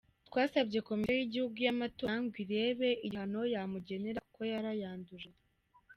Twasabye komisiyo y’igihugu y’amatora ngo irebe igihano yamugenera kuko yarayanduje.